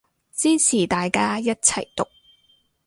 支持大家一齊毒